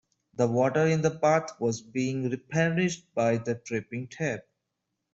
The water in the bath was being replenished by the dripping tap.